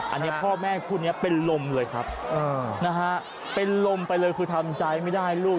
อันนี้พ่อแม่คู่นี้เป็นลมเลยครับนะฮะเป็นลมไปเลยคือทำใจไม่ได้ลูก